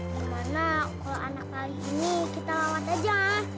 gimana kalau anak kali ini kita lawat aja